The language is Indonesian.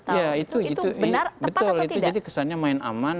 tepat atau tidak betul jadi kesannya main aman